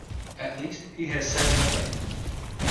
At least, he has said nothing.